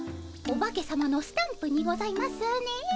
お化けさまのスタンプにございますね？